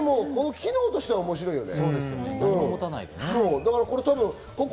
機能としては面白いよね。